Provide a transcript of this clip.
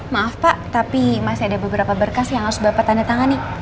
maaf pak tapi masih ada beberapa berkas yang harus bapak tanda tangan nih